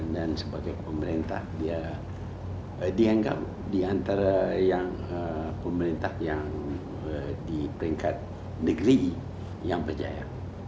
dan sebagai pemerintah dia dianggap di antara pemerintah yang di peringkat negeri yang berjaya